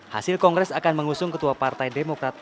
hasil kongres akan mengusung ketua partai demokrat